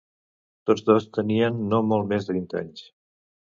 Tots dos tenien no molt més de vint anys.